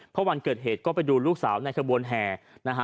เพราะวันเกิดเหตุก็ไปดูลูกสาวในขบวนแห่นะฮะ